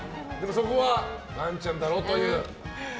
そこは岩ちゃんだろという。